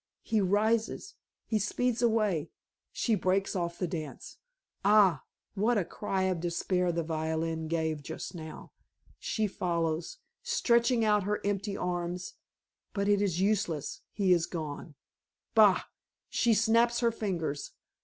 He rises; he speeds away; she breaks off the dance. Ah! what a cry of despair the violin gave just now. She follows, stretching out her empty arms. But it is useless he is gone. Bah! She snaps her fingers.